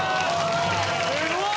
すごい！